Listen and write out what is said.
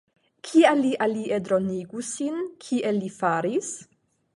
Kial li alie dronigus sin, kiel li faris?